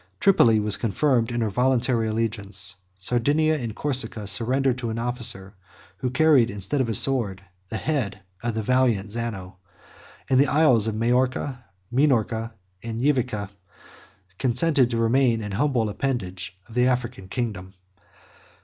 Tripoli was confirmed in her voluntary allegiance; Sardinia and Corsica surrendered to an officer, who carried, instead of a sword, the head of the valiant Zano; and the Isles of Majorca, Minorca, and Yvica consented to remain an humble appendage of the African kingdom.